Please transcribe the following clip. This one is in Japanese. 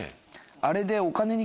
あれで。